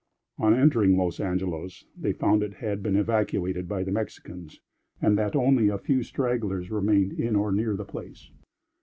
On entering Los Angelos, they found that it had been evacuated by the Mexicans, and that only a few stragglers remained in or near the place.